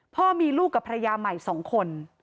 พ่อมีลูกกับภรรยาใหม่๒คน